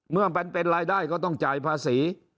เมื่อมันเป็นรายได้ก็ต้องจ่ายพาศรี